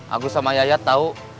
aku sama yayat tau